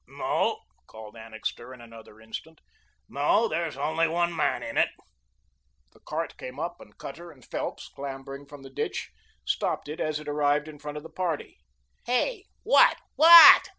"No," called Annixter, in another instant, "no, there's only one man in it." The cart came up, and Cutter and Phelps, clambering from the ditch, stopped it as it arrived in front of the party. "Hey what what?"